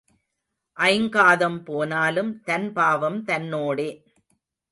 ஐங்காதம் போனாலும் தன் பாவம் தன்னோடே.